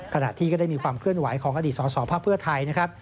ขณะที่ก็ได้มีความเคลื่อนไหวของอดีตสสภาคเพื่อไทยนะครับ